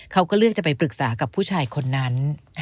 เขาก็เลือกจะไปปรึกษากับผู้ชายคนนั้น